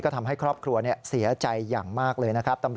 ทำให้ครอบครัวเสียใจอย่างมากเลยนะครับ